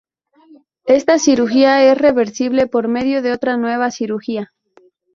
Esta cirugía es reversible por medio de otra nueva cirugía.